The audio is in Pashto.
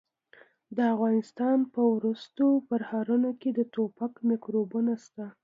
د افغانستان په ورستو پرهرونو کې د ټوپک میکروبونه شته.